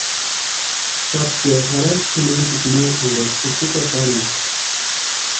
Tsapkio jarhasti kʼumanchikwa ma énkaksï tsïtsïki atarantakʼa.